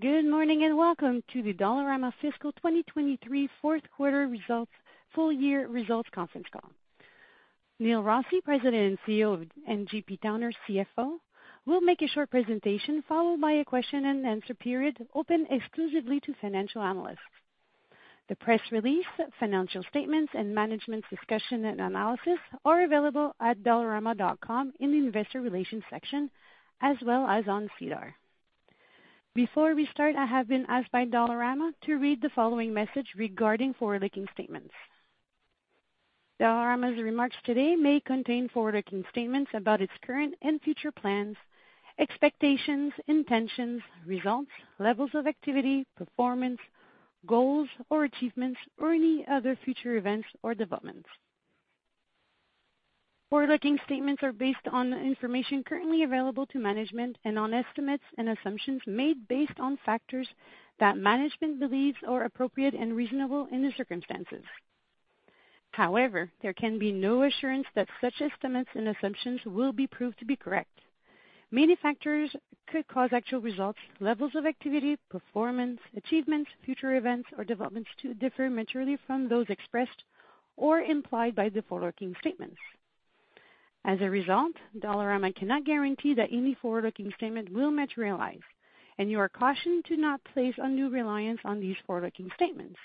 Good morning, and welcome to the Dollarama Fiscal 2023 Q4 Results Full Year Results Conference call. Neil Rossy, President and CEO, and J.P. Towner, CFO, will make a short presentation, followed by a question and answer period open exclusively to financial analysts. The press release, financial statements, and management's discussion and analysis are available at dollarama.com in the investor relations section as well as on SEDAR. Before we start, I have been asked by Dollarama to read the following message regarding forward-looking statements. Dollarama's remarks today may contain forward-looking statements about its current and future plans, expectations, intentions, results, levels of activity, performance, goals or achievements, or any other future events or developments. Forward-looking statements are based on information currently available to management and on estimates and assumptions made based on factors that management believes are appropriate and reasonable in the circumstances. However, there can be no assurance that such estimates and assumptions will be proved to be correct. Many factors could cause actual results, levels of activity, performance, achievements, future events, or developments to differ materially from those expressed or implied by the forward-looking statements. As a result, Dollarama cannot guarantee that any forward-looking statement will materialize, and you are cautioned to not place undue reliance on these forward-looking statements.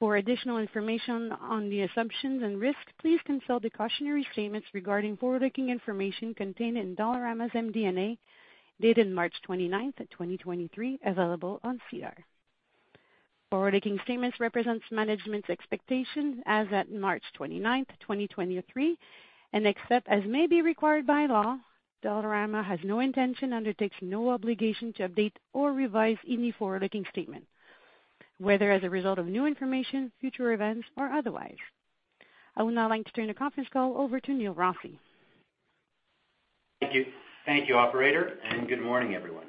For additional information on the assumptions and risks, please consult the cautionary statements regarding forward-looking information contained in Dollarama's MD&A, dated March 29th, 2023, available on SEDAR. Forward-looking statements represents management's expectations as at March 29th, 2023, and except as may be required by law, Dollarama has no intention, undertakes no obligation to update or revise any forward-looking statement, whether as a result of new information, future events, or otherwise. I would now like to turn the conference call over to Neil Rossy. Thank you. Thank you, operator. Good morning, everyone.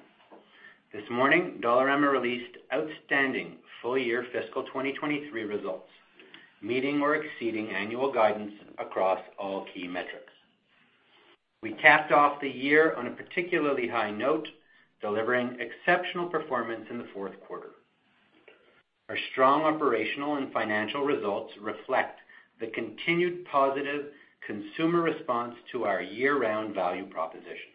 This morning, Dollarama released outstanding full-year fiscal 2023 results, meeting or exceeding annual guidance across all key metrics. We capped off the year on a particularly high note, delivering exceptional performance in the Q4. Our strong operational and financial results reflect the continued positive consumer response to our year-round value proposition,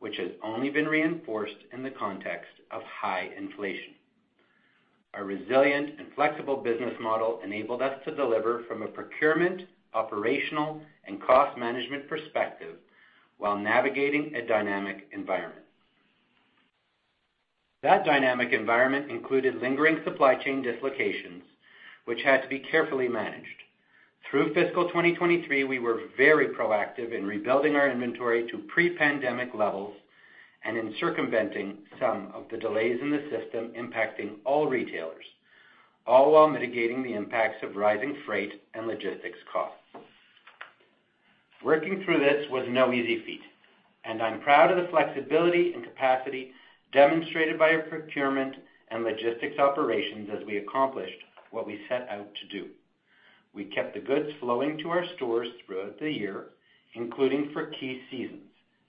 which has only been reinforced in the context of high inflation. Our resilient and flexible business model enabled us to deliver from a procurement, operational, and cost management perspective while navigating a dynamic environment. That dynamic environment included lingering supply chain dislocations, which had to be carefully managed. Through fiscal 2023, we were very proactive in rebuilding our inventory to pre-pandemic levels, and in circumventing some of the delays in the system impacting all retailers, all while mitigating the impacts of rising freight and logistics costs. Working through this was no easy feat, and I'm proud of the flexibility and capacity demonstrated by our procurement and logistics operations as we accomplished what we set out to do. We kept the goods flowing to our stores throughout the year, including for key seasons,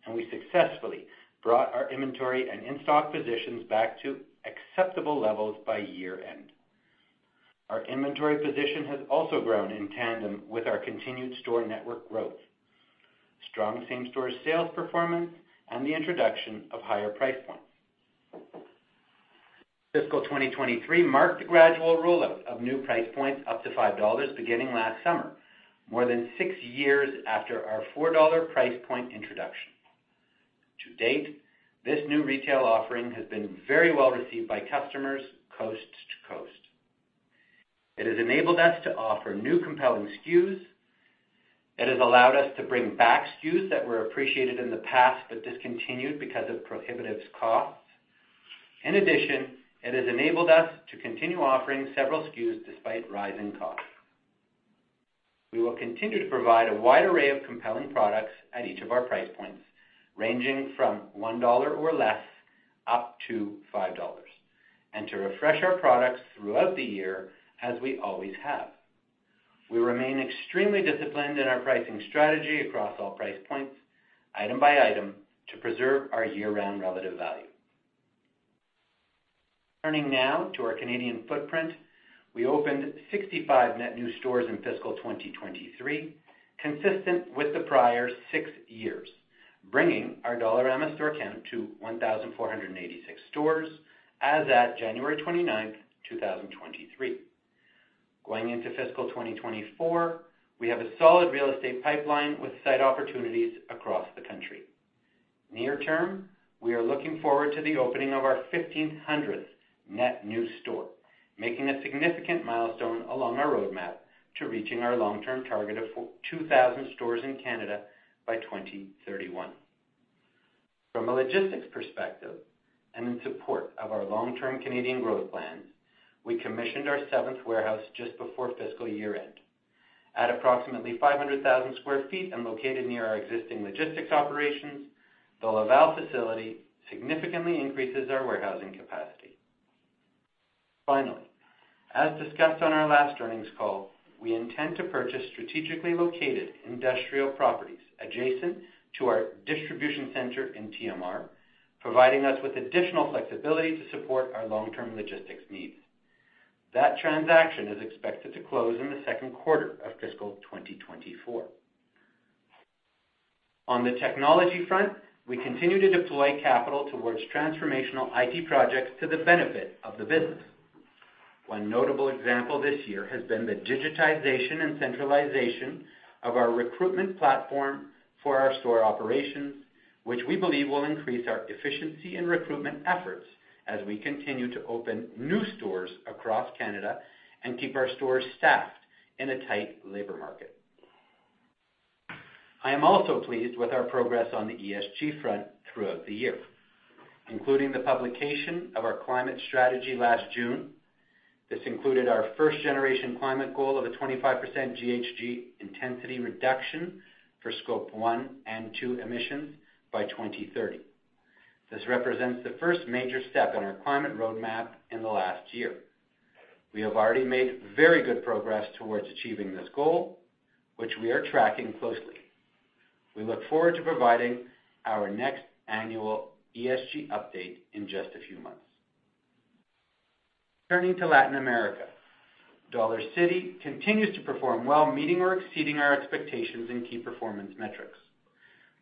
and we successfully brought our inventory and in-stock positions back to acceptable levels by year-end. Our inventory position has also grown in tandem with our continued store network growth, strong same-store sales performance, and the introduction of higher price points. Fiscal 2023 marked the gradual rollout of new price points up to 5 dollars beginning last summer, more than six years after our 4 dollar price point introduction. To date, this new retail offering has been very well-received by customers coast to coast. It has enabled us to offer new compelling SKUs. It has allowed us to bring back SKUs that were appreciated in the past but discontinued because of prohibitive costs. In addition, it has enabled us to continue offering several SKUs despite rising costs. We will continue to provide a wide array of compelling products at each of our price points, ranging from 1 dollar or less up to 5 dollars, and to refresh our products throughout the year as we always have. We remain extremely disciplined in our pricing strategy across all price points item by item to preserve our year-round relative value. Turning now to our Canadian footprint. We opened 65 net new stores in fiscal 2023, consistent with the prior six years, bringing our Dollarama store count to 1,486 stores as at January 29th, 2023. Going into fiscal 2024, we have a solid real estate pipeline with site opportunities across the country. Near term, we are looking forward to the opening of our 1,500th net new store, making a significant milestone along our roadmap to reaching our long-term target of 2,000 stores in Canada by 2031. From a logistics perspective, and in support of our long-term Canadian growth plans, we commissioned our seventh warehouse just before fiscal year-end. At approximately 500,000 sq ft and located near our existing logistics operations, the Laval facility significantly increases our warehousing capacity. Finally, as discussed on our last earnings call, we intend to purchase strategically located industrial properties adjacent to our distribution center in TMR, providing us with additional flexibility to support our long-term logistics needs. That transaction is expected to close in the Q2 of fiscal 2024. On the technology front, we continue to deploy capital towards transformational IT projects to the benefit of the business. One notable example this year has been the digitization and centralization of our recruitment platform for our store operations, which we believe will increase our efficiency and recruitment efforts as we continue to open new stores across Canada and keep our stores staffed in a tight labor market. I am also pleased with our progress on the ESG front throughout the year, including the publication of our climate strategy last June. This included our first-generation climate goal of a 25% GHG intensity reduction for Scope 1 and 2 emissions by 2030. This represents the first major step on our climate roadmap in the last year. We have already made very good progress towards achieving this goal, which we are tracking closely. We look forward to providing our next annual ESG update in just a few months. Turning to Latin America, Dollarcity continues to perform well, meeting or exceeding our expectations in key performance metrics.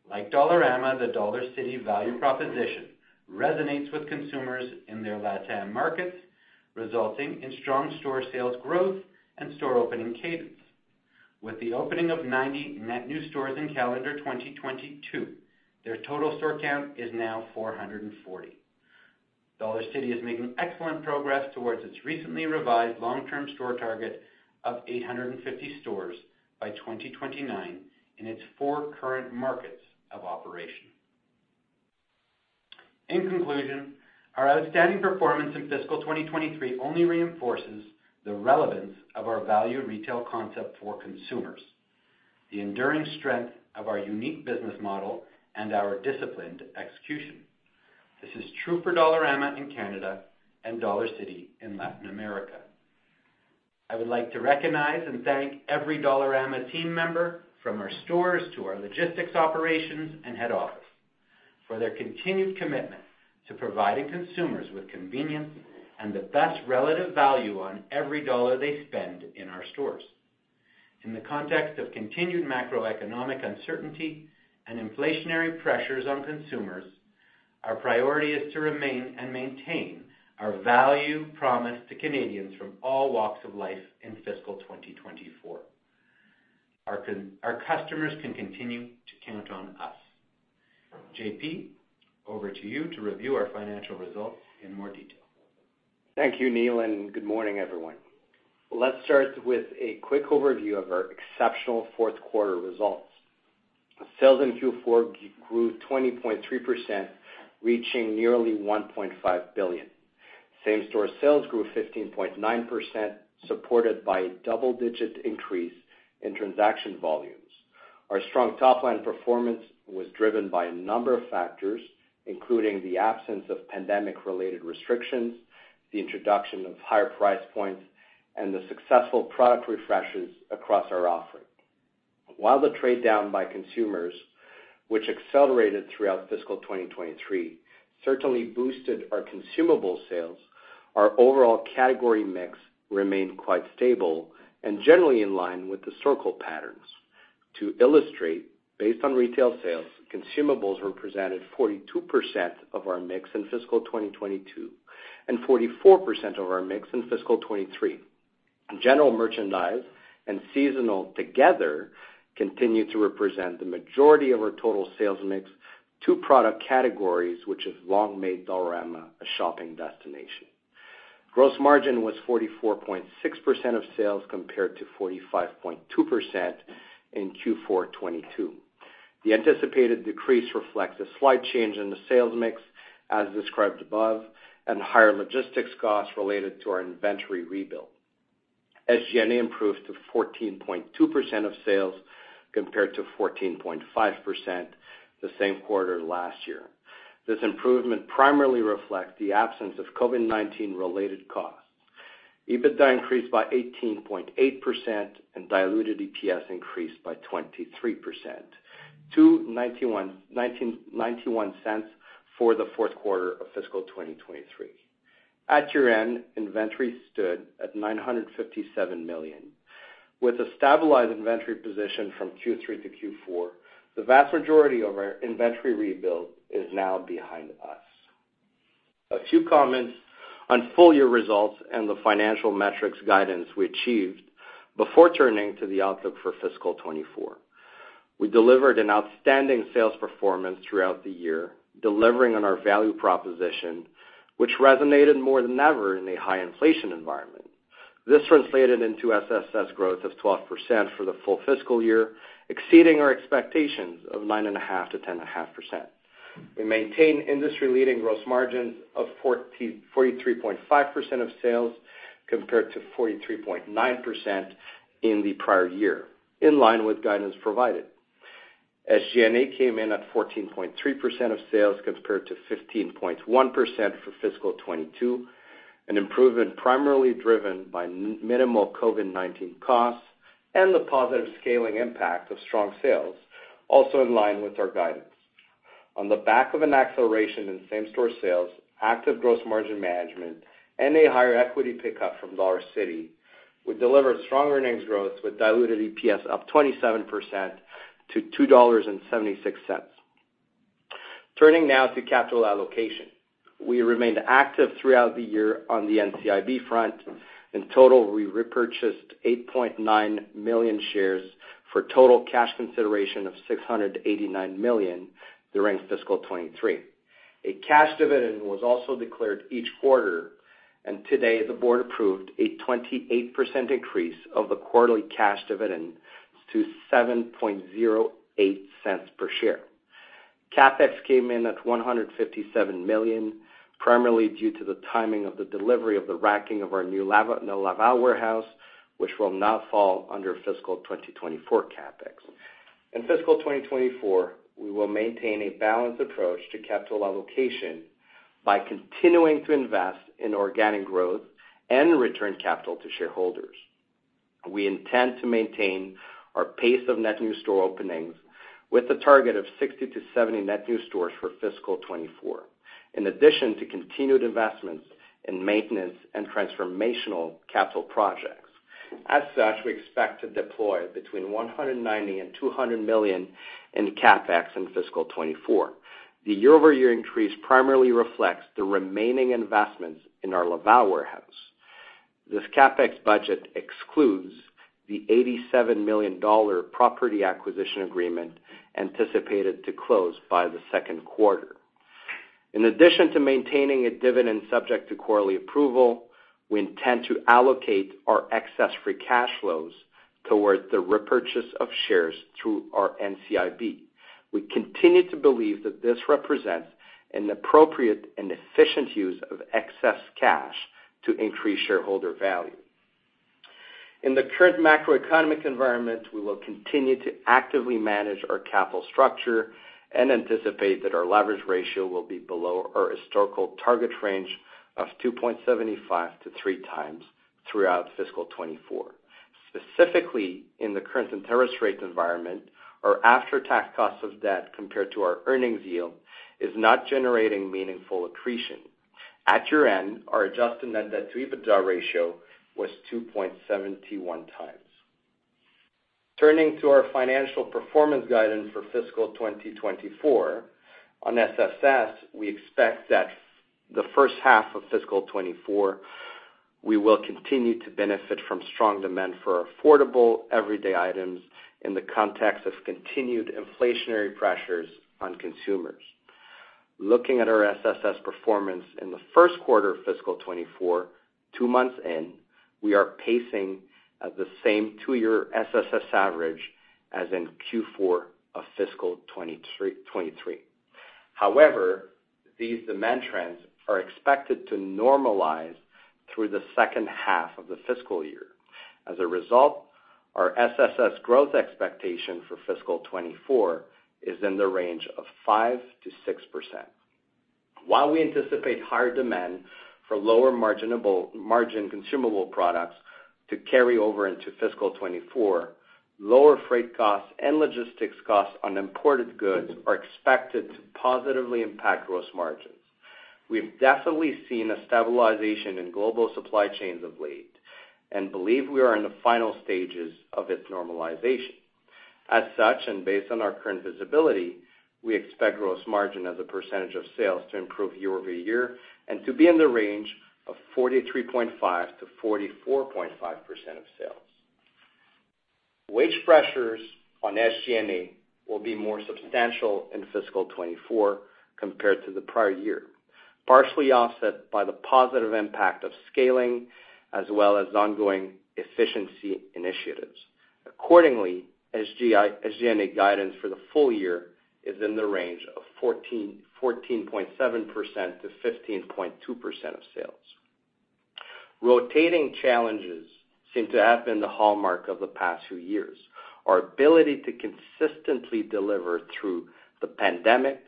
Like Dollarama, the Dollarcity value proposition resonates with consumers in their LatAm markets, resulting in strong store sales growth and store opening cadence. With the opening of 90 net new stores in calendar 2022, their total store count is now 440. Dollarcity is making excellent progress towards its recently revised long-term store target of 850 stores by 2029 in its four current markets of operation. In conclusion, our outstanding performance in fiscal 2023 only reinforces the relevance of our value retail concept for consumers, the enduring strength of our unique business model, and our disciplined execution. This is true for Dollarama in Canada and Dollarcity in Latin America. I would like to recognize and thank every Dollarama team member, from our stores to our logistics operations and head office, for their continued commitment to providing consumers with convenience and the best relative value on every dollar they spend in our stores. In the context of continued macroeconomic uncertainty, and inflationary pressures on consumers, our priority is to remain and maintain our value promise to Canadians from all walks of life in fiscal 2024. Our customers can continue to count on us. J.P., over to you to review our financial results in more detail. Thank you, Neil. Good morning, everyone. Let's start with a quick overview of our exceptional Q4 results. Sales in Q4 grew 20.3%, reaching nearly 1.5 billion. Same-store sales grew 15.9%, supported by a double-digit increase in transaction volumes. Our strong top-line performance was driven by a number of factors, including the absence of pandemic-related restrictions, the introduction of higher price points, and the successful product refreshes across our offering. While the trade-down by consumers, which accelerated throughout fiscal 2023, certainly boosted our consumable sales, our overall category mix remained quite stable and generally in line with the seasonal patterns. To illustrate, based on retail sales, consumables represented 42% of our mix in fiscal 2022 and 44% of our mix in fiscal 2023. General merchandise and seasonal together continue to represent the majority of our total sales mix, two product categories which have long made Dollarama a shopping destination. Gross margin was 44.6% of sales compared to 45.2% in Q4 2022. The anticipated decrease reflects a slight change in the sales mix, as described above, and higher logistics costs related to our inventory rebuild. SG&A improved to 14.2% of sales compared to 14.5% the same quarter last year. This improvement primarily reflects the absence of COVID-19-related costs. EBITDA increased by 18.8%, and diluted EPS increased by 23% to 0.91 for the Q4 of fiscal 2023. At year-end, inventory stood at 957 million. With a stabilized inventory position from Q3 to Q4, the vast majority of our inventory rebuild is now behind us. A few comments on full-year results and the financial metrics guidance we achieved before turning to the outlook for fiscal 2024. We delivered an outstanding sales performance throughout the year, delivering on our value proposition, which resonated more than ever in a high-inflation environment. This translated into SSS growth of 12% for the full fiscal year, exceeding our expectations of 9.5%-10.5%. We maintained industry-leading gross margins of 43.5% of sales compared to 43.9% in the prior year, in line with guidance provided. SG&A came in at 14.3% of sales compared to 15.1% for fiscal 2022, an improvement primarily driven by minimal COVID-19 costs and the positive scaling impact of strong sales, also in line with our guidance. On the back of an acceleration in same-store sales, active gross margin management, and a higher equity pickup from Dollarcity, we delivered strong earnings growth with diluted EPS up 27% to 2.76 dollars. Turning now to capital allocation. We remained active throughout the year on the NCIB front. In total, we repurchased 8.9 million shares for total cash consideration of 689 million during fiscal 2023. A cash dividend was also declared each quarter. Today the board approved a 28% increase of the quarterly cash dividend to 0.0708 per share. CapEx came in at 157 million, primarily due to the timing of the delivery of the racking of our new Laval warehouse, which will now fall under fiscal 2024 CapEx. In fiscal 2024, we will maintain a balanced approach to capital allocation by continuing to invest in organic growth and return capital to shareholders. We intend to maintain our pace of net new store openings with a target of 60 to 70 net new stores for fiscal 2024, in addition to continued investments in maintenance and transformational capital projects. As such, we expect to deploy between 190 million and 200 million in CapEx in fiscal 2024. The year-over-year increase primarily reflects the remaining investments in our Laval warehouse. This CapEx budget excludes the 87 million dollar property acquisition agreement anticipated to close by the Q2. In addition to maintaining a dividend subject to quarterly approval, we intend to allocate our excess free cash flows towards the repurchase of shares through our NCIB. We continue to believe that this represents an appropriate and efficient use of excess cash to increase shareholder value. In the current macroeconomic environment, we will continue to actively manage our capital structure and anticipate that our leverage ratio will be below our historical target range of 2.75x-3x throughout fiscal 2024. Specifically in the current interest rate environment, our after-tax cost of debt compared to our earnings yield is not generating meaningful accretion. At year-end, our adjusted net debt-to-EBITDA ratio was 2.71x. Turning to our financial performance guidance for fiscal 2024. On SSS, we expect that the first half of fiscal 2024, we will continue to benefit from strong demand for affordable everyday items in the context of continued inflationary pressures on consumers. Looking at our SSS performance in the Q1 of fiscal 2024, two months in, we are pacing at the same two-year SSS average as in Q4 of fiscal 2023. These demand trends are expected to normalize through the second half of the fiscal year. Our SSS growth expectation for fiscal 2024 is in the range of 5%-6%. While we anticipate higher demand for lower margin consumable products to carry over into fiscal 2024, lower freight costs and logistics costs on imported goods are expected to positively impact gross margins. We've definitely seen a stabilization in global supply chains of late and believe we are in the final stages of its normalization. As such, based on our current visibility, we expect gross margin as a percentage of sales to improve year-over-year and to be in the range of 43.5%-44.5% of sales. Wage pressures on SG&A will be more substantial in fiscal 2024 compared to the prior year, partially offset by the positive impact of scaling as well as ongoing efficiency initiatives. Accordingly, SG&A guidance for the full year is in the range of 14.7%-15.2% of sales. Rotating challenges seem to have been the hallmark of the past few years. Our ability to consistently deliver through the pandemic,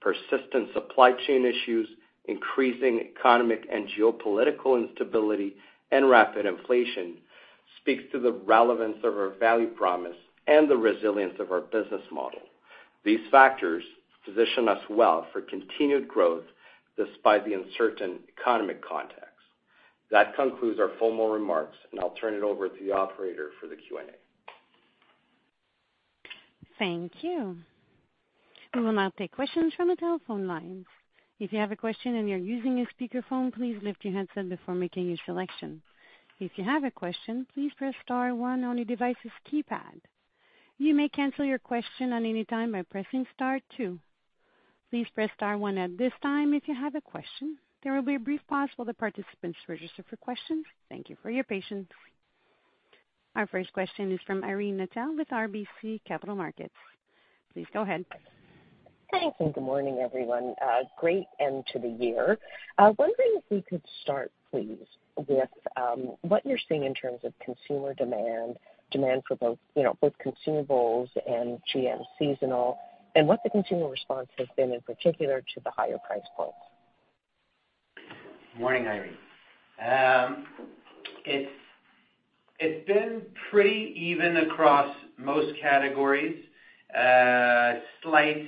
persistent supply chain issues, increasing economic and geopolitical instability, and rapid inflation speaks to the relevance of our value promise and the resilience of our business model. These factors position us well for continued growth despite the uncertain economic context. That concludes our formal remarks, and I'll turn it over to the operator for the Q&A. Thank you. We will now take questions from the telephone lines. If you have a question and you're using a speakerphone, please lift your handset before making your selection. If you have a question, please press star one on your device's keypad. You may cancel your question at any time by pressing star two. Please press star one at this time if you have a question. There will be a brief pause while the participants register for questions. Thank you for your patience. Our first question is from Irene Nattel with RBC Capital Markets. Please go ahead. Thanks, and good morning, everyone. Great end to the year. I was wondering if we could start, please, with what you're seeing in terms of consumer demand for both, you know, both consumables and GM seasonal, and what the consumer response has been in particular to the higher price points. Morning, Irene. It's been pretty even across most categories. Slight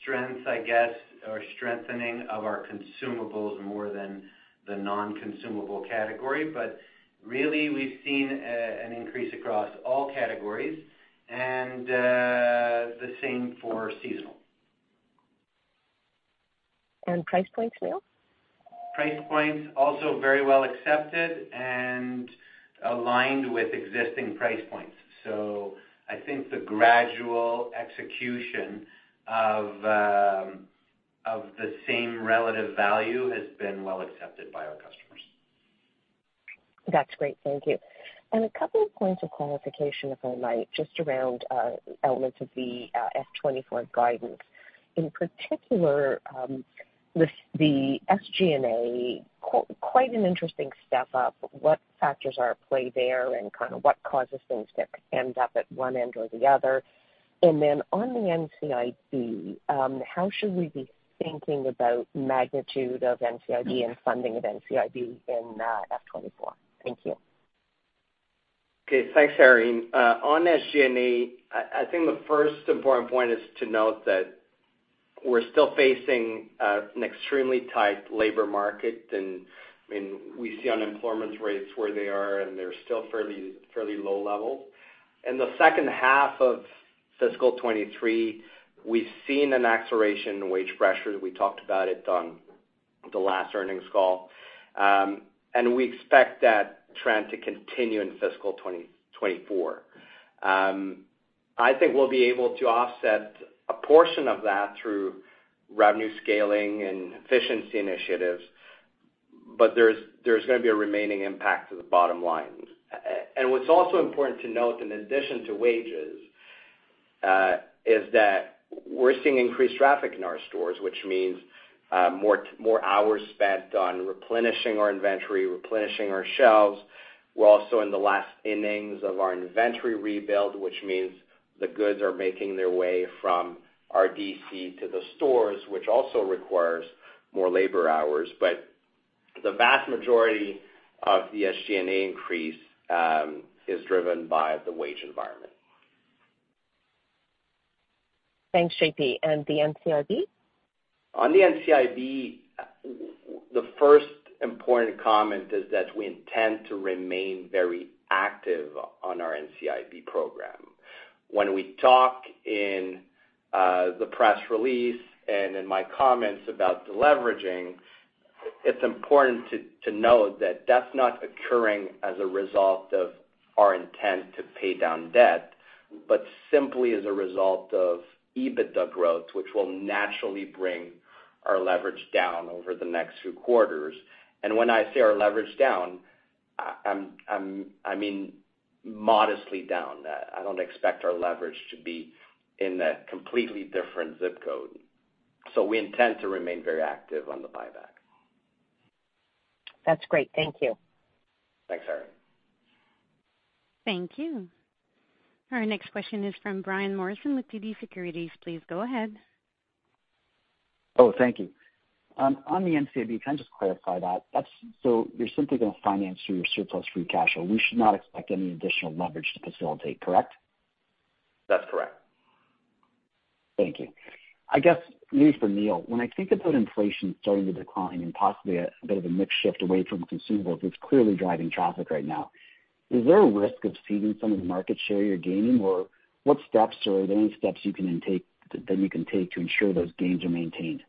strengths, I guess, or strengthening of our consumables more than the non-consumable category. Really, we've seen an increase across all categories and the same for seasonal. Price points, Neil? Price points also very well accepted and aligned with existing price points. I think the gradual execution of the same relative value has been well accepted by our customers. That's great, thank you. A couple of points of qualification, if I might, just around elements of the F-24 guidance. In particular, the SG&A, quite an interesting step up. What factors are at play there and kinda what causes things to end up at one end or the other? On the NCIB, how should we be thinking about magnitude of NCIB and funding of NCIB in FY 2024? Thank you. Okay. Thanks, Irene. On SG&A, I think the first important point is to note that we're still facing an extremely tight labor market. I mean, we see unemployment rates where they are, and they're still fairly low level. In the second half of fiscal 2023, we've seen an acceleration in wage pressure. We talked about it on the last earnings call. We expect that trend to continue in fiscal 2024. I think we'll be able to offset a portion of that through revenue scaling and efficiency initiatives, but there's going to be a remaining impact to the bottom line. What's also important to note in addition to wages, is that we're seeing increased traffic in our stores, which means, more hours spent on replenishing our inventory, replenishing our shelves. We're also in the last innings of our inventory rebuild, which means the goods are making their way from our DC to the stores, which also requires more labor hours. The vast majority of the SG&A increase is driven by the wage environment. Thanks, J.P. The NCIB? On the NCIB, the first important comment is that we intend to remain very active on our NCIB program. When we talk in the press release and in my comments about the leveraging, it's important to note that that's not occurring as a result of our intent to pay down debt, but simply as a result of EBITDA growth, which will naturally bring our leverage down over the next few quarters. When I say our leverage down, I mean modestly down. I don't expect our leverage to be in a completely different zip code. We intend to remain very active on the buyback. That's great. Thank you. Thanks, Irene. Thank you. Our next question is from Brian Morrison with TD Securities. Please go ahead. Oh, thank you. On the NCIB, can I just clarify that? So you're simply going to finance through your surplus free cash, or we should not expect any additional leverage to facilitate, correct? That's correct. Thank you. I guess maybe for Neil, when I think about inflation starting to decline and possibly a bit of a mix shift away from consumables, it's clearly driving traffic right now. Is there a risk of ceding some of the market share you're gaining? What steps or are there any steps that you can take to ensure those gains are maintained?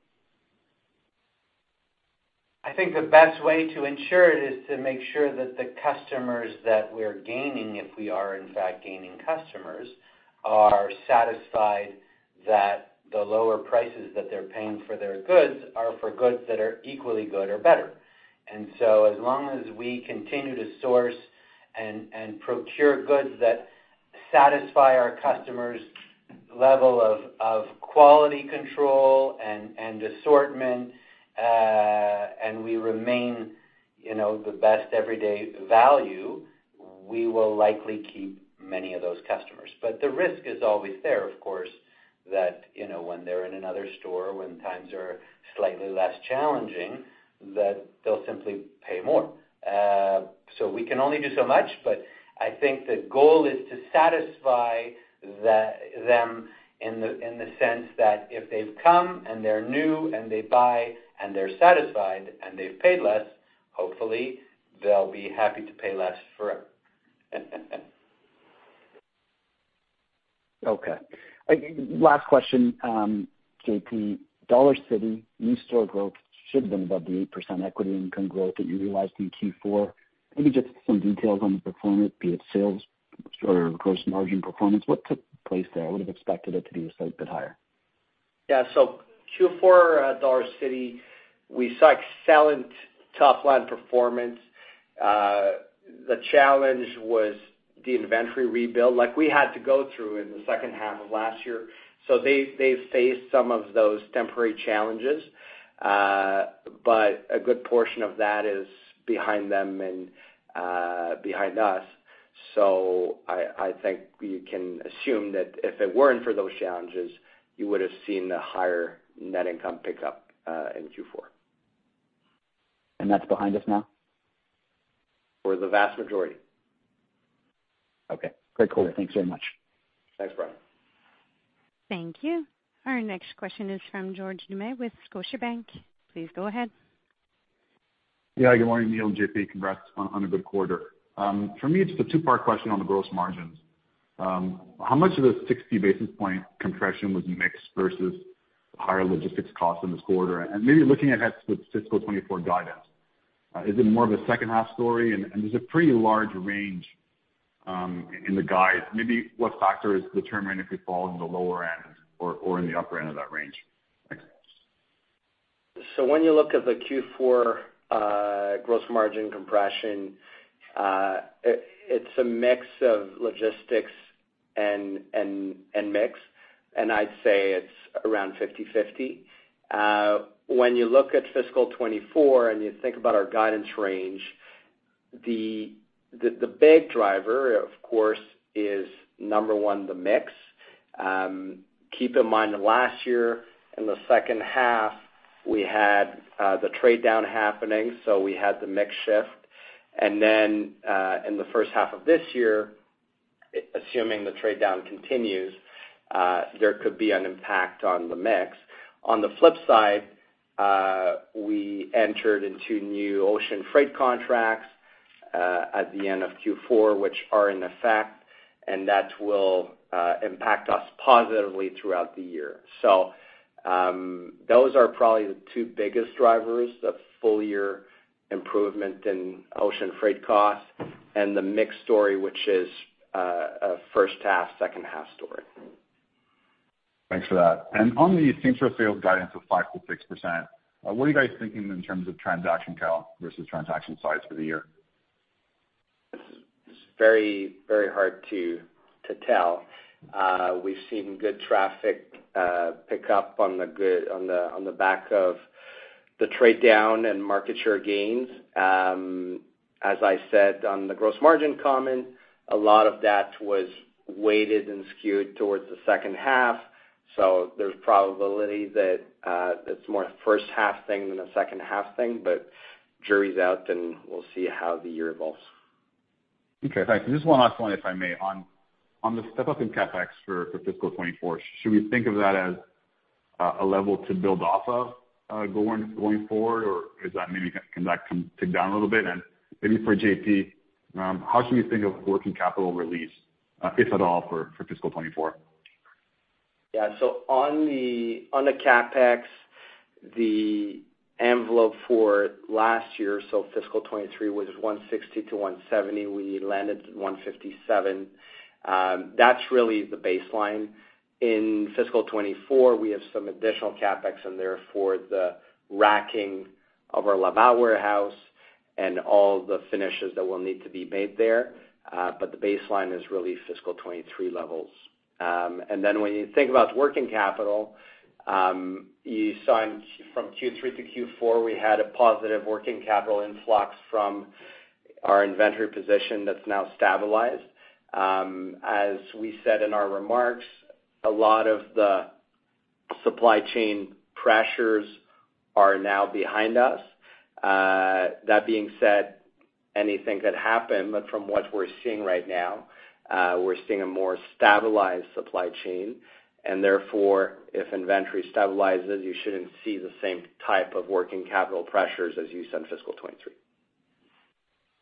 I think the best way to ensure it is to make sure that the customers that we're gaining, if we are in fact gaining customers, are satisfied that the lower prices that they're paying for their goods are for goods that are equally good or better. As long as we continue to source and procure goods that satisfy our customers' level of quality control and assortment, and we remain, you know, the best everyday value, we will likely keep many of those customers. The risk is always there, of course, that, you know, when they're in another store, when times are slightly less challenging, that they'll simply pay more. We can only do so much, but I think the goal is to satisfy them in the sense that if they've come and they're new and they buy and they're satisfied and they've paid less, hopefully they'll be happy to pay less forever. Okay. Last question, J.P. Dollarcity new store growth should have been above the 8% equity income growth that you realized in Q4. Maybe just some details on the performance, be it sales or gross margin performance. What took place there? I would have expected it to be a slight bit higher. Yeah. Q4 at Dollarcity, we saw excellent top line performance. The challenge was the inventory rebuild, like we had to go through in the second half of last year. They faced some of those temporary challenges. A good portion of that is behind them and behind us. I think you can assume that if it weren't for those challenges, you would have seen a higher net income pickup in Q4. That's behind us now? For the vast majority. Okay. Great quarter. Thanks very much. Thanks, Brian. Thank you. Our next question is from George Doumet with Scotiabank. Please go ahead. Yeah, good morning, Neil and J.P. Congrats on a good quarter. For me, it's a two-part question on the gross margins. How much of the 60 basis point compression was mixed versus higher logistics costs in this quarter? Maybe looking ahead with fiscal 2024 guidance, is it more of a second half story? There's a pretty large range, in the guide. Maybe what factor is determining if it falls in the lower end or in the upper end of that range? Thanks. When you look at the Q4, gross margin compression, it's a mix of logistics and mix, and I'd say it's around 50/50. When you look at fiscal 2024 and you think about our guidance range, the big driver, of course, is number one, the mix. Keep in mind that last year, in the second half, we had the trade down happening, so we had the mix shift. Then, in the first half of this year, assuming the trade down continues, there could be an impact on the mix. On the flip side, we entered into new ocean freight contracts at the end of Q4, which are in effect, and that will impact us positively throughout the year. Those are probably the two biggest drivers, the full year improvement in ocean freight costs and the mix story, which is a first half, second half story. Thanks for that. On the same-store sales guidance of 5%-6%, what are you guys thinking in terms of transaction count versus transaction size for the year? It's very, very hard to tell. We've seen good traffic pick up on the back of the trade down and market share gains. As I said on the gross margin comment, a lot of that was weighted and skewed towards the second half. There's probability that it's more a first half thing than a second half thing, but jury's out and we'll see how the year evolves. Okay, thanks. Just one last one, if I may. On the step up in CapEx for fiscal 2024, should we think of that as a level to build off of going forward? Is that can that tick down a little bit? Maybe for J.P., how should we think of working capital release, if at all, for fiscal 2024? On the CapEx, the envelope for last year, fiscal 2023, was 160 million-170 million. We landed 157 million. That's really the baseline. In fiscal 2024, we have some additional CapEx and therefore the racking of our Laval warehouse and all the finishes that will need to be made there, but the baseline is really fiscal 2023 levels. When you think about working capital, you saw from Q3 to Q4, we had a positive working capital influx from our inventory position that's now stabilized. As we said in our remarks, a lot of the supply chain pressures are now behind us. That being said, anything could happen, but from what we're seeing right now, we're seeing a more stabilized supply chain, and therefore, if inventory stabilizes, you shouldn't see the same type of working capital pressures as you saw in fiscal 2023.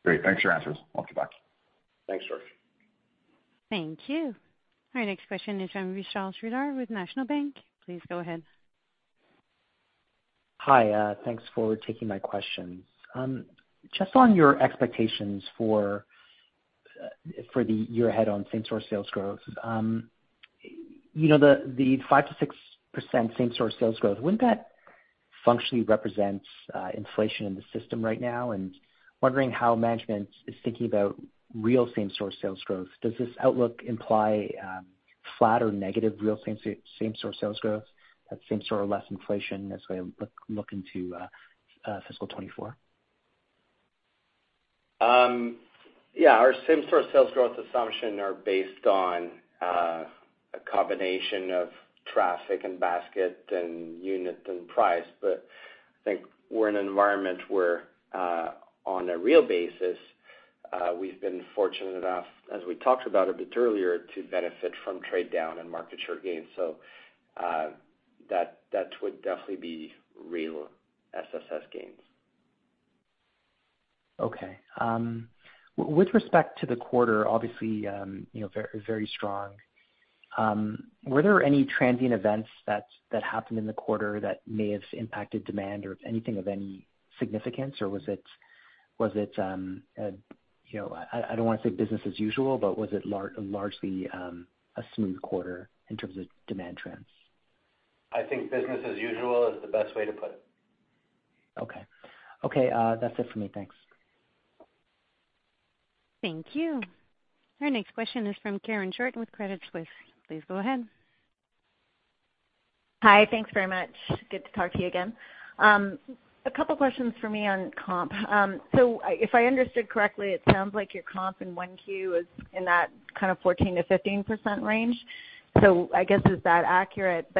Great. Thanks for your answers. I'll kick back. Thanks, George. Thank you. Our next question is from Vishal Shreedhar with National Bank. Please go ahead. Hi, thanks for taking my questions. Just on your expectations for the year ahead on same-store sales growth, you know, the 5%-6% same-store sales growth, wouldn't that functionally represents inflation in the system right now? Wondering how management is thinking about real same-store sales growth. Does this outlook imply, flat or negative real same-store sales growth at same-store or less inflation as we look into fiscal 2024? Our same-store sales growth assumption are based on a combination of traffic and basket and unit and price. I think we're in an environment where on a real basis, we've been fortunate enough, as we talked about a bit earlier, to benefit from trade down and market share gains. That would definitely be real SSS gains. Okay. With respect to the quarter, obviously, you know, very, very strong. Were there any transient events that happened in the quarter that may have impacted demand or anything of any significance, or was it? You know, I don't want to say business as usual, but was it largely a smooth quarter in terms of demand trends? I think business as usual is the best way to put it. Okay. Okay, that's it for me. Thanks. Thank you. Our next question is from Karen Short with Credit Suisse. Please go ahead. Hi. Thanks very much. Good to talk to you again. A couple questions for me on comp. If I understood correctly, it sounds like your comp in Q1 is in that kind of 14%-15% range. I guess, is that accurate?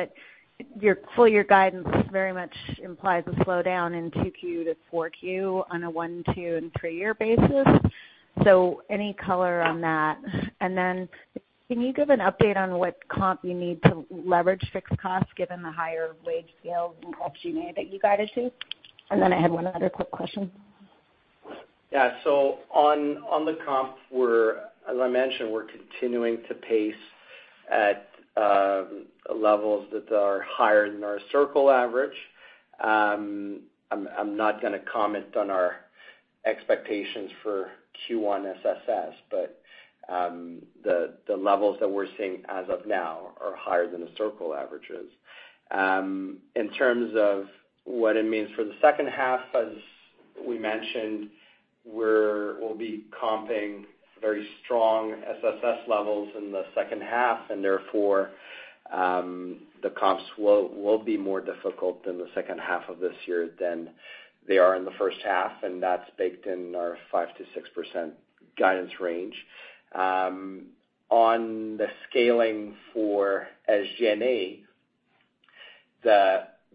Your full year guidance very much implies a slowdown in Q2 to Q4 on a one, two, and three year basis. Any color on that? Can you give an update on what comp you need to leverage fixed costs given the higher wage scale in SG&A that you guided to? I had one other quick question. Yeah. On the comp, we're as I mentioned, we're continuing to pace at levels that are higher than our historical average. I'm not going to comment on our expectations for Q1 SSS, but the levels that we're seeing as of now are higher than the historical averages. In terms of what it means for the second half, as we mentioned, we'll be comping very strong SSS levels in the second half, and therefore, the comps will be more difficult in the second half of this year than they are in the first half, and that's baked in our 5%-6% guidance range. On the scaling for SG&A,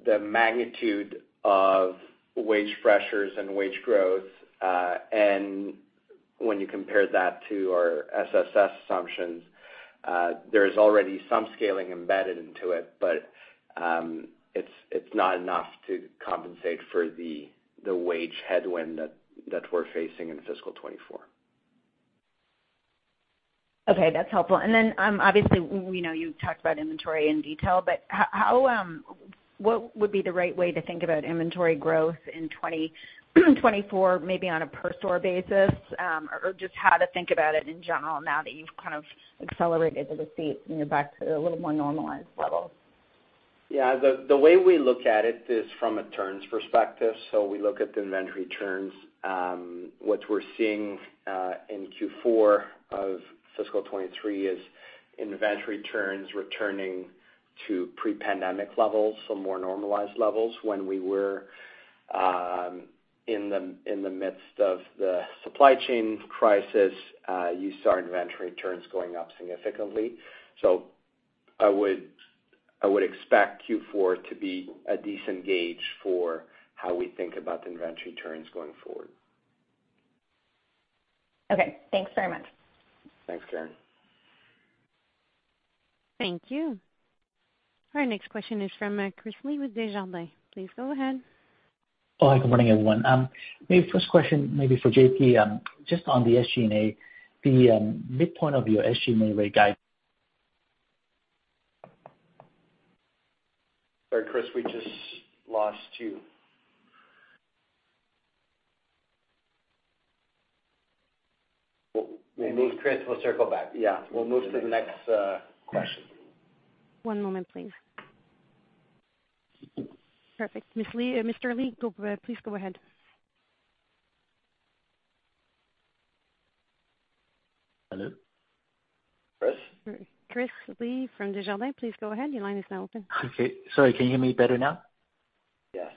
the magnitude of wage pressures and wage growth, and when you compare that to our SSS assumptions, there's already some scaling embedded into it, but it's not enough to compensate for the wage headwind that we're facing in fiscal 2024. Okay, that's helpful. Obviously we know you talked about inventory in detail, but what would be the right way to think about inventory growth in 2024, maybe on a per store basis, or just how to think about it in general now that you've kind of accelerated the receipts and you're back to a little more normalized level? The way we look at it is from a turns perspective. We look at the inventory turns. What we're seeing in Q4 of fiscal 2023 is inventory turns returning to pre-pandemic levels, so more normalized levels. When we were in the midst of the supply chain crisis, you saw inventory turns going up significantly. I would expect Q4 to be a decent gauge for how we think about inventory turns going forward. Okay, thanks very much. Thanks, Karen. Thank you. Our next question is from Chris Li with Desjardins. Please go ahead. Hi, good morning, everyone. My first question, maybe for J.P., just on the SG&A, the midpoint of your SG&A rate. Sorry, Chris, we just lost you. Chris, we'll circle back. Yeah, we'll move to the next question. One moment, please. Perfect. Mr. Li, please go ahead. Hello? Chris? Chris Li from Desjardins, please go ahead. Your line is now open. Okay. Sorry, can you hear me better now? Yes.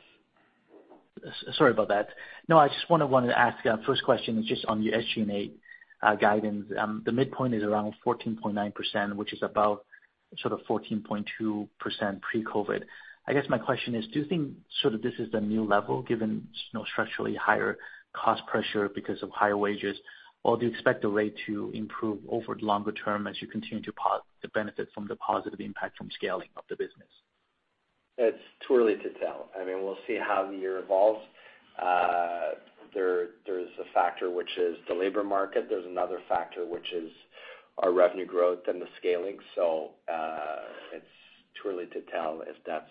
Sorry about that. I just wanted to ask, first question is just on your SG&A guidance. The midpoint is around 14.9%, which is about sort of 14.2% pre-COVID. I guess my question is, do you think sort of this is the new level given, you know, structurally higher cost pressure because of higher wages, or do you expect the rate to improve over longer term as you continue to benefit from the positive impact from scaling of the business? It's too early to tell. I mean, we'll see how the year evolves. There's a factor which is the labor market. There's another factor, which is our revenue growth and the scaling. It's too early to tell if that's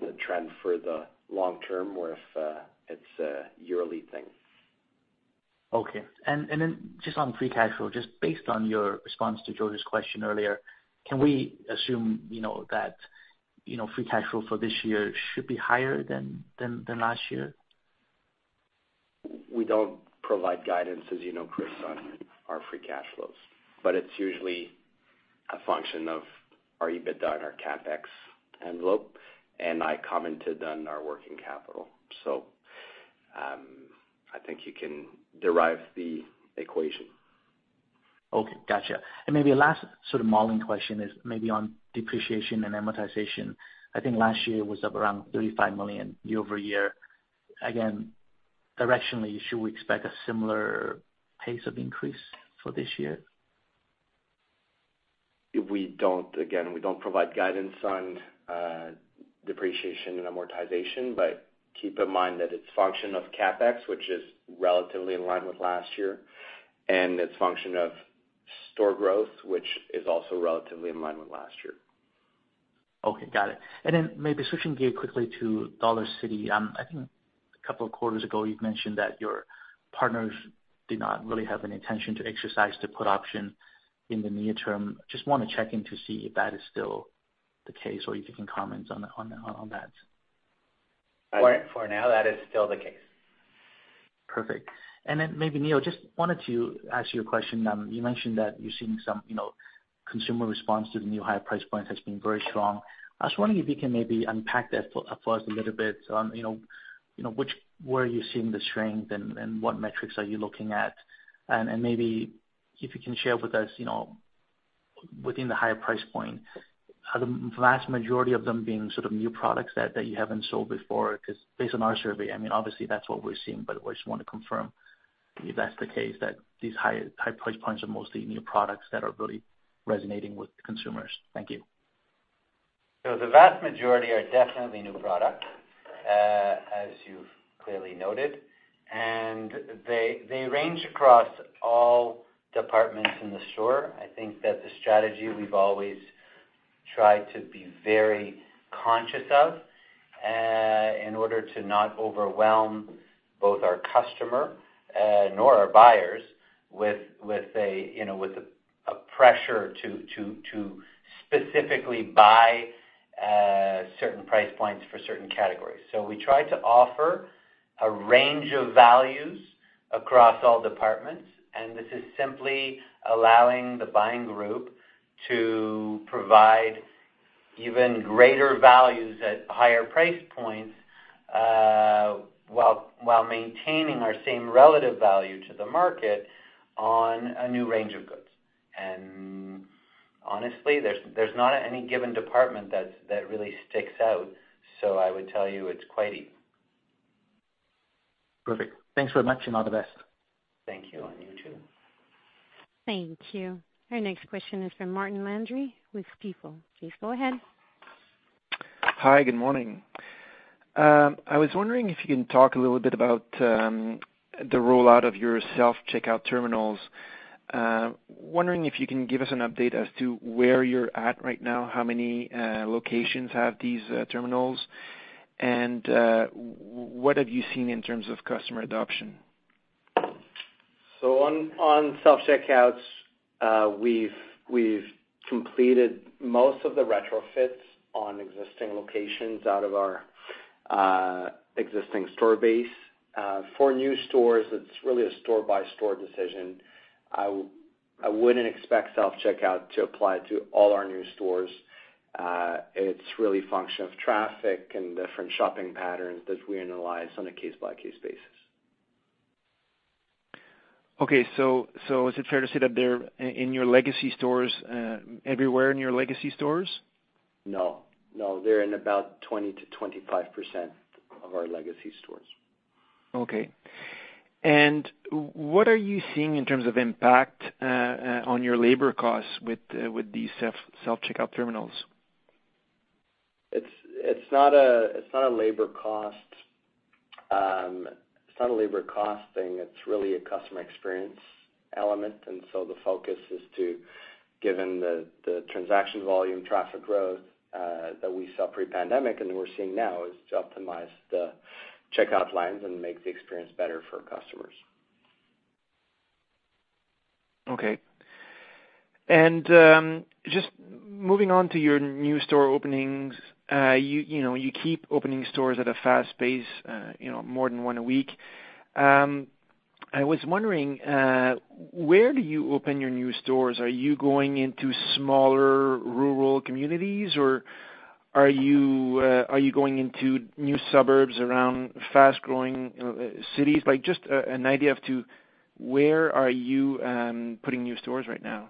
the trend for the long term or if it's a yearly thing. Okay. Then just on free cash flow, just based on your response to George's question earlier, can we assume you know that, you know, free cash flow for this year should be higher than last year? We don't provide guidance, as you know, Chris, on our free cash flows. It's usually a function of our EBITDA and our CapEx envelope, and I commented on our working capital. I think you can derive the equation. Okay, gotcha. Maybe last sort of modeling question is maybe on depreciation and amortization. I think last year was up around 35 million year-over-year. Again, directionally, should we expect a similar pace of increase for this year? We don't. Again, we don't provide guidance on depreciation and amortization, but keep in mind that it's function of CapEx, which is relatively in line with last year, and it's function of store growth, which is also relatively in line with last year. Okay, got it. Maybe switching gears quickly to Dollarcity. I think a couple of quarters ago you've mentioned that your partners did not really have an intention to exercise the put option in the near term. Just want to check in to see if that is still the case, or if you can comment on that? For now, that is still the case. Perfect. Maybe, Neil, just wanted to ask you a question. You mentioned that you're seeing some, you know, consumer response to the new higher price points has been very strong. I was wondering if you can maybe unpack that for us a little bit. You know, where are you seeing the strength and what metrics are you looking at? And maybe if you can share with us, you know, within the higher price point, are the vast majority of them being sort of new products that you haven't sold before? Because based on our survey, I mean, obviously, that's what we're seeing. We just want to confirm if that's the case, that these higher price points are mostly new products that are really resonating with consumers. Thank you. The vast majority are definitely new product, as you've clearly noted, and they range across all departments in the store. I think that the strategy we've always tried to be very conscious of, in order to not overwhelm both our customer, nor our buyers with, you know, with a pressure to specifically buy certain price points for certain categories. We try to offer a range of values across all departments, and this is simply allowing the buying group to provide even greater values at higher price points, while maintaining our same relative value to the market on a new range of goods. Honestly, there's not any given department that really sticks out. I would tell you it's quite even. Perfect. Thanks so much, and all the best. Thank you, and you too. Thank you. Our next question is from Martin Landry with Stifel. Please go ahead. Hi. Good morning. I was wondering if you can talk a little bit about the rollout of your self-checkout terminals. Wondering if you can give us an update as to where you're at right now, how many locations have these terminals, and what have you seen in terms of customer adoption? On self-checkouts, we've completed most of the retrofits on existing locations out of our existing store base. For new stores, it's really a store by store decision. I wouldn't expect self-checkout to apply to all our new stores. It's really a function of traffic and different shopping patterns that we analyze on a case by case basis. Okay. Is it fair to say that they're in your legacy stores, everywhere in your legacy stores? No. No, they're in about 20%-25% of our legacy stores. Okay. What are you seeing in terms of impact on your labor costs with these self-checkout terminals? It's not a labor cost thing. It's really a customer experience element. The focus is to give them the transaction volume traffic growth that we saw pre-pandemic and we're seeing now is to optimize the checkout lines and make the experience better for customers. Okay. Just moving on to your new store openings. You know, you keep opening stores at a fast pace, you know, more than one week. I was wondering, where do you open your new stores? Are you going into smaller rural communities, or are you going into new suburbs around fast growing cities? Like, just an idea of to where are you putting new stores right now?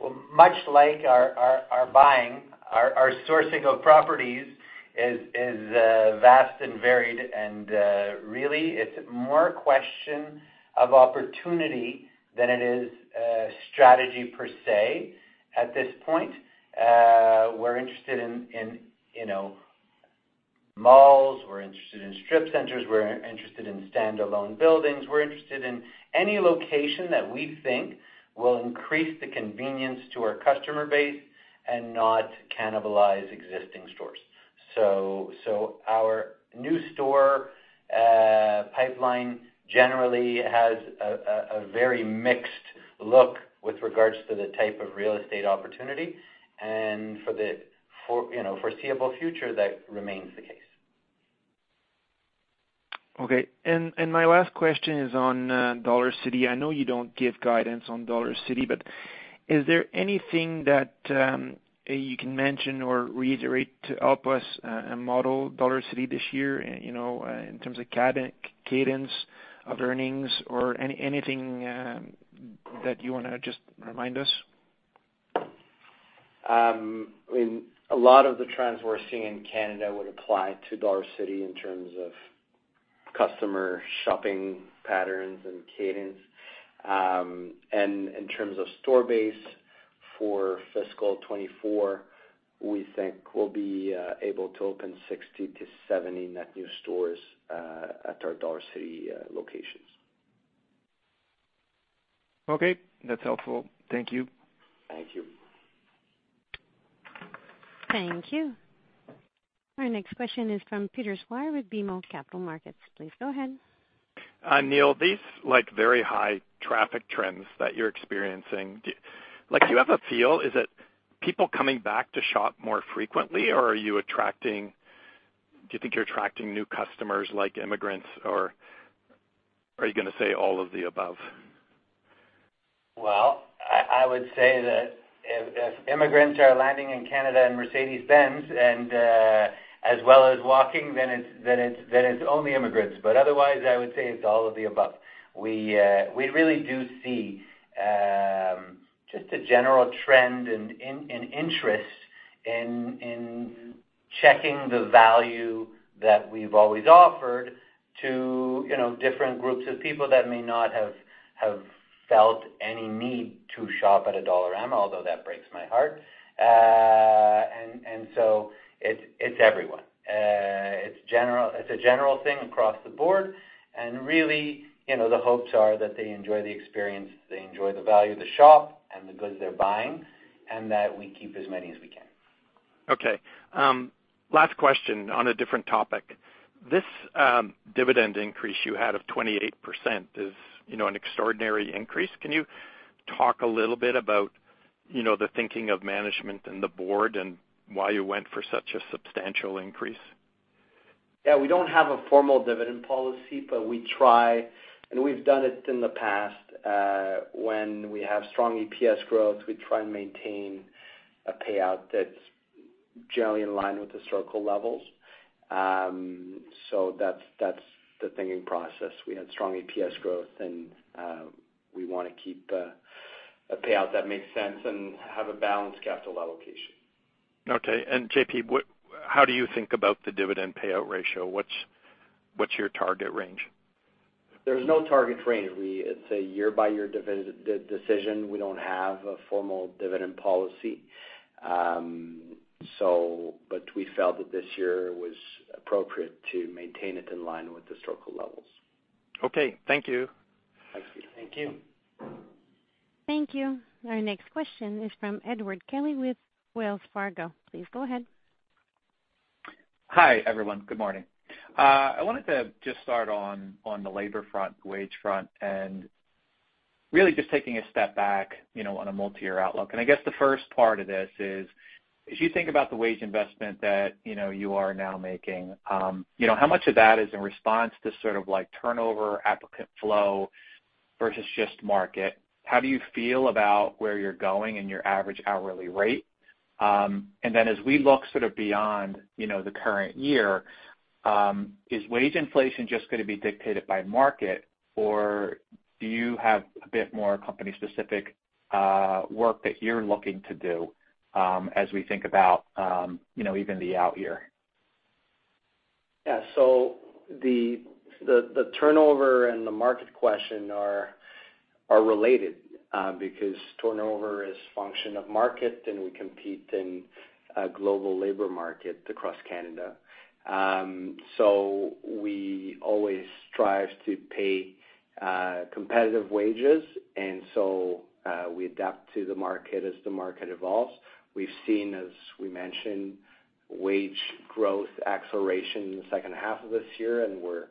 Well, much like our buying, our sourcing of properties is vast and varied and really it's more a question of opportunity than it is strategy per se at this point. We're interested in, you know, malls. We're interested in strip centers. We're interested in standalone buildings. We're interested in any location that we think will increase the convenience to our customer base and not cannibalize existing stores. Our new store pipeline generally has a very mixed look with regards to the type of real estate opportunity and, you know, foreseeable future, that remains the case. Okay. My last question is on Dollarcity. I know you don't give guidance on Dollarcity. Is there anything that you can mention or reiterate to help us model Dollarcity this year, you know, in terms of cadence of earnings or anything that you want to just remind us? I mean, a lot of the trends we're seeing in Canada would apply to Dollarcity in terms of customer shopping patterns and cadence. In terms of store base for fiscal 2024, we think we'll be able to open 60 to 70 net new stores at our Dollarcity locations. Okay, that's helpful. Thank you. Thank you. Thank you. Our next question is from Peter Sklar with BMO Capital Markets. Please go ahead. Neil, these like, very high traffic trends that you're experiencing. Do you have a feel, is it people coming back to shop more frequently or do you think you're attracting new customers like immigrants, or are you going to say all of the above? I would say that if immigrants are landing in Canada in Mercedes-Benz and as well as walking then it's only immigrants. Otherwise, I would say it's all of the above. We really do see just a general trend and in interest in checking the value that we've always offered to, you know, different groups of people that may not have felt any need to shop at a Dollarama, although that breaks my heart. It's everyone. It's a general thing across the board, really, you know, the hopes are that they enjoy the experience, they enjoy the value of the shop and the goods they're buying, and that we keep as many as we can. Okay. Last question on a different topic. This dividend increase you had of 28% is, you know, an extraordinary increase. Can you talk a little bit about, you know, the thinking of management and the board and why you went for such a substantial increase? We don't have a formal dividend policy, but we try and we've done it in the past, when we have strong EPS growth, we try and maintain a payout that's generally in line with historical levels. That's the thinking process. We had strong EPS growth and, we want to keep a payout that makes sense and have a balanced capital allocation. Okay. J.P., how do you think about the dividend payout ratio? What's your target range? There's no target range. It's a year by year decision. We don't have a formal dividend policy. But we felt that this year was appropriate to maintain it in line with historical levels. Okay, thank you. Thank you. Thank you. Our next question is from Edward Kelly with Wells Fargo. Please go ahead. Hi, everyone. Good morning. I wanted to just start on the labor front, wage front, and really just taking a step back, you know, on a multi-year outlook. I guess the first part of this is, as you think about the wage investment that, you know, you are now making, you know, how much of that is in response to sort of like turnover, applicant flow versus just market? How do you feel about where you're going in your average hourly rate? Then as we look sort of beyond, you know, the current year, is wage inflation just going to be dictated by market, or do you have a bit more company specific work that you're looking to do, as we think about, you know, even the out year? The turnover and the market question are related because turnover is function of market, and we compete in a global labor market across Canada. We always strive to pay competitive wages. We adapt to the market as the market evolves. We've seen, as we mentioned, wage growth acceleration in the second half of this year, and we're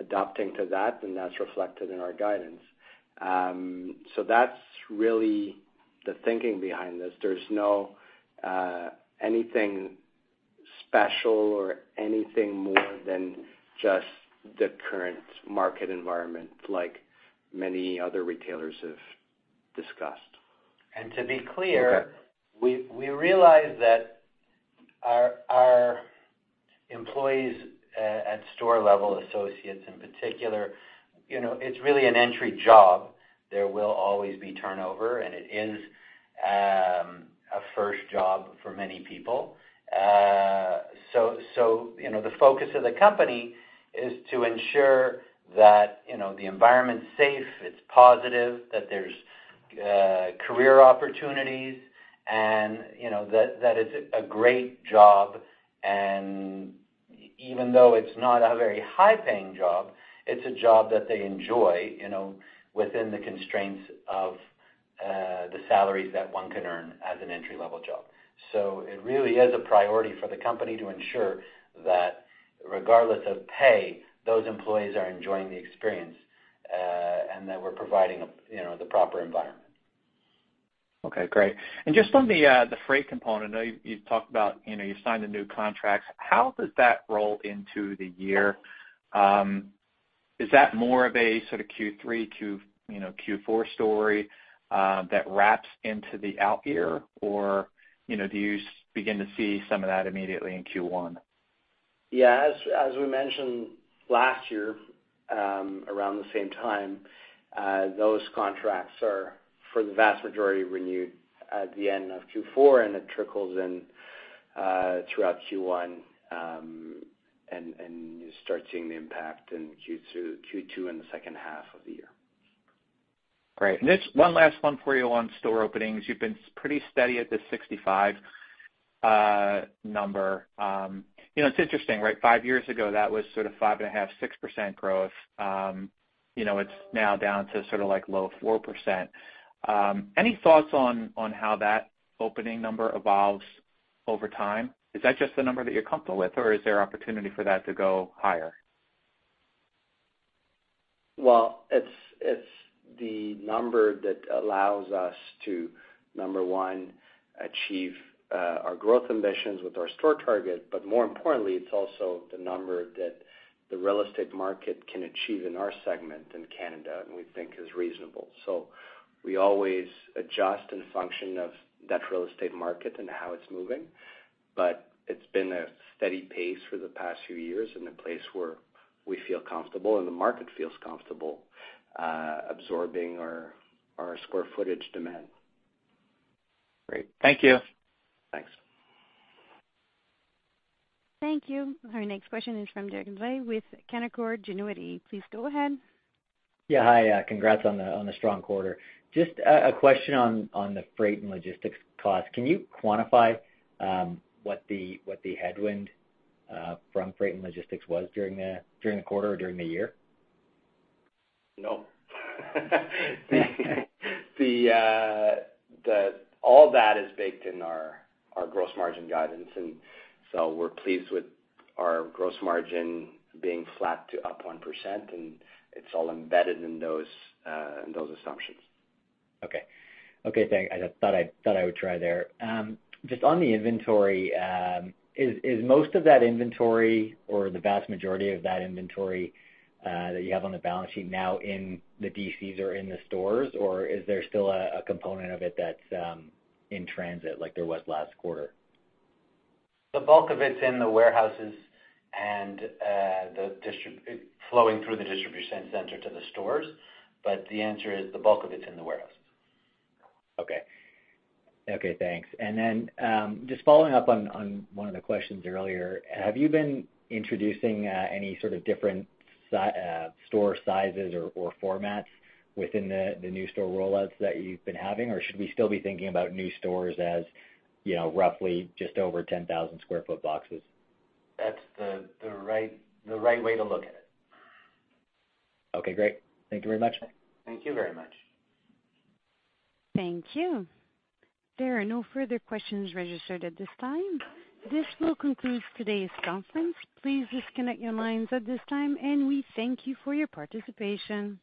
adapting to that, and that's reflected in our guidance. That's really the thinking behind this. There's no anything special or anything more than just the current market environment, like many other retailers have discussed. To be clear, we realize that our employees at store level, associates in particular, you know, it's really an entry job. There will always be turnover, and it is a first job for many people. You know, the focus of the company is to ensure that, you know, the environment's safe, it's positive, that there's career opportunities and, you know, that it's a great job and even though it's not a very high paying job, it's a job that they enjoy, you know, within the constraints of the salaries that one can earn as an entry-level job. It really is a priority for the company to ensure that regardless of pay, those employees are enjoying the experience, and that we're providing, you know, the proper environment. Okay, great. Just on the freight component, I know you've talked about, you know, you signed the new contracts. How does that roll into the year? Is that more of a sort of Q3, you know, Q4 story that wraps into the out year? Or, you know, do you begin to see some of that immediately in Q1? Yeah. As we mentioned last year, around the same time, those contracts are, for the vast majority, renewed at the end of Q4 and it trickles in throughout Q1. You start seeing the impact in Q2, in the second half of the year. Great. Just one last one for you on store openings. You've been pretty steady at the 65 number. You know, it's interesting, right? Five years ago, that was sort of 5.5%-6% growth. You know, it's now down to sort of like low 4%. Any thoughts on how that opening number evolves over time? Is that just the number that you're comfortable with, or is there opportunity for that to go higher? Well, it's the number that allows us to, number one, achieve our growth ambitions with our store target. More importantly, it's also the number that the real estate market can achieve in our segment in Canada, and we think is reasonable. We always adjust in function of that real estate market and how it's moving. It's been a steady pace for the past few years and a place where we feel comfortable, and the market feels comfortable, absorbing our square footage demand. Great. Thank you. Thanks. Thank you. Our next question is from Derek Dley with Canaccord Genuity. Please go ahead. Yeah. Hi, congrats on the, on the strong quarter. Just a question on the freight and logistics costs. Can you quantify what the, what the headwind from freight and logistics was during the, during the quarter or during the year? No. All that is baked in our gross margin guidance. We're pleased with our gross margin being flat to up 1%. It's all embedded in those assumptions. Okay, thanks. I just thought I would try there. Just on the inventory, is most of that inventory or the vast majority of that inventory, that you have on the balance sheet now in the DCs or in the stores, or is there still a component of it that's in transit like there was last quarter? The bulk of it's in the warehouses and, flowing through the distribution center to the stores, but the answer is the bulk of it's in the warehouse. Okay, thanks. Just following up on one of the questions earlier, have you been introducing, any sort of different store sizes or formats within the new store rollouts that you've been having? Should we still be thinking about new stores as, you know, roughly just over 10,000 sq ft boxes? That's the right way to look at it. Okay, great. Thank you very much. Thank you very much. Thank you. There are no further questions registered at this time. This will conclude today's conference. Please disconnect your lines at this time, and we thank you for your participation.